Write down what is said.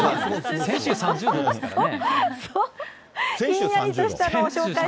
先週３０度ですからね。